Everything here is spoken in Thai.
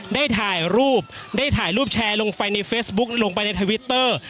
ได้ถ่ายรูปได้ถ่ายรูปแชร์ลงไปในเฟซบุ๊กลงไปในทวิตเตอร์